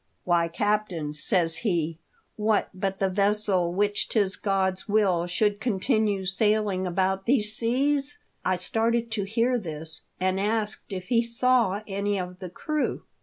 f*' 'Why, captain,' says he, ' what but the vessel which 'tis God's will should continue sailing about these seas ?' I started to hear this, and asked if he saw any of the crew.